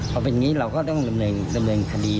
พอเป็นอย่างนี้เราก็ต้องดำเนินคดี